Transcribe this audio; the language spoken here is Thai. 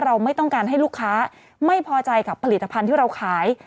เราไม่ต้องการให้ลูกค้าไม่พอใจกับผลิตภัณฑ์ที่เราขาย